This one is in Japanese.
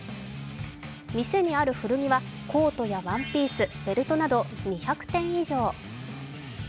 店にある古着はコートやワンピース、ベルトなど２００点以上。